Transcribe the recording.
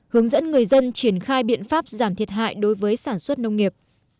hướng dẫn người dân triển khai biện pháp giảm thiệt hại đối với sản xuất nông nghiệp